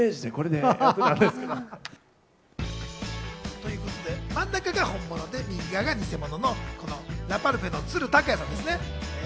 ということで真ん中が本物で、右側が偽物のラパルフェの都留拓也さんです。